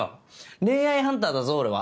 恋愛ハンターだぞ俺は。